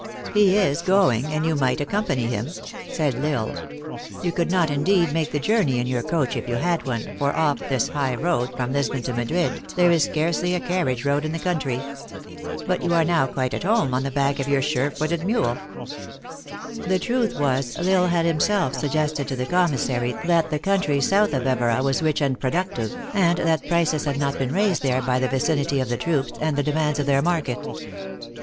"He is going, and you might accompany him," said L Isle. " You could not indeed make the journey in your coach if you had one, for off this high road, THE ACTRESS IN HIGH LIFE. 113 from Lisbon to Madrid, there is scarcely a carriage road in the country. But you are now quite at home, on the back of your sure footed mule." The truth was, L Isle had himself suggested to the commissary that the country south of Evora was rich and productive, and that prices had not been raised there by the vicinity of the troops, and the demands of their market.